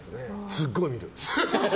すっごい見る。